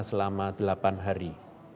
selama delapan hari